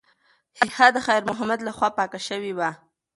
ښیښه د خیر محمد لخوا پاکه شوې وه.